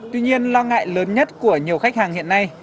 tuy nhiên lo ngại lớn nhất của nhiều khách hàng hiện nay